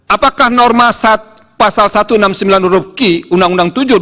apakah norma pasal satu ratus enam puluh sembilan uruq uu tujuh dua ribu tujuh belas